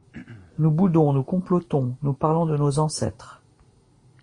Nous boudons, nous complotons, nous parlons de nos ancêtres.